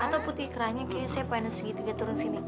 atau putih kerahnya kayaknya saya poin segitiga turun sini